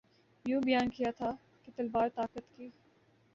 یوں بیان کیا تھا کہ تلوار طاقت کی